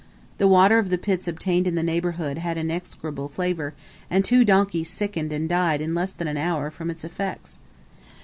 The water of the pits obtained in the neighbourhood had an execrable flavor, and two donkeys sickened and died in less than an hour from its effects.